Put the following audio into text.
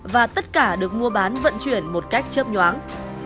và tất cả được mua bán vận chuyển một cách chấp nhoáng